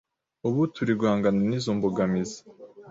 Ubu turi guhangana n’izo mbogamizi